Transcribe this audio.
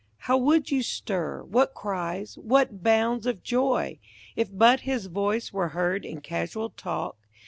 How would you stir, what cries, what bounds of joy. If but his voice were heard in casual talk.